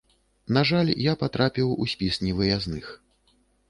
На жаль, я патрапіў у спіс невыязных.